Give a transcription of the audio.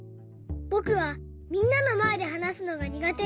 「ぼくはみんなのまえではなすのがにがてです。